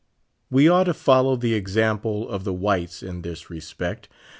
We ought to follow the example of the whites in this respect.